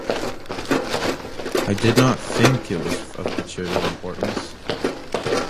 I did not think it was of material importance.